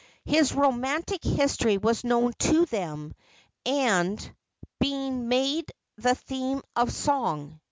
His romantic history was known to them, and had been made the theme of song.